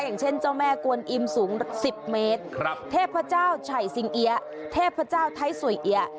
อย่างเช่นเจ้าแม่กวนอิมสูง๑๐เมตรเทพเจ้าไฉสิงเอี๊ยเทพเจ้าไทยสวยเอี๊ยะ